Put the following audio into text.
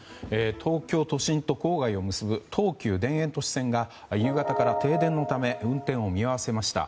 東京都心と郊外を結ぶ東急田園都市線が夕方から停電のため運転を見合わせました。